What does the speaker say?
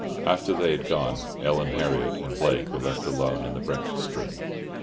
After they had gone, Ellen Harriott and Blake were left alone in the breakfast room.